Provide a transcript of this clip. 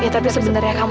ya tapi sebenernya anne